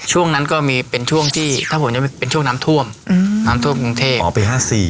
ช่วงนั้นก็มีเป็นช่วงที่ถ้าผมจะเป็นช่วงน้ำท่วมน้ำท่วมกรุงเทพอ๋อปี๕๔